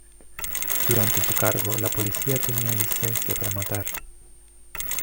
Durante su cargo, la policía tenía "Licencia para Matar".